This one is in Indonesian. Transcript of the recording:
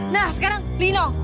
nah sekarang lino